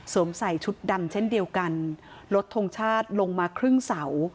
ใส่ชุดดำเช่นเดียวกันลดทงชาติลงมาครึ่งเสา